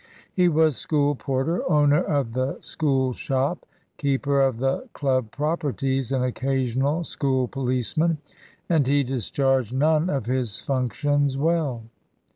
He was School porter, owner of the School shop, keeper of the club properties, and occasional School policeman; and he discharged none of his functions well.